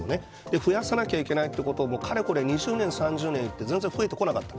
増やさなきゃいけないということをかれこれ２０年、３０年やって全然、増えてこなかった。